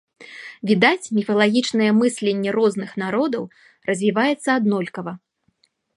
Відаць, міфалагічнае мысленне розных народаў развіваецца аднолькава.